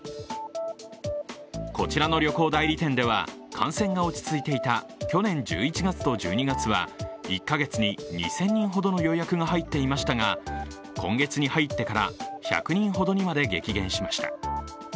こちらの旅行代理店では感染が落ち着いていた去年１１月と１２月は１カ月に２０００人ほどの予約が入っていましたが今月に入ってから１００人ほどにまで激減しました。